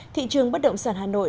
thị trường bất động sản hà nội